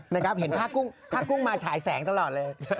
นะครับเห็นผ้ากุ้งมาฉายแสงตลอดเลย